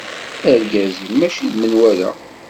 Argaz-im mačči d menwala.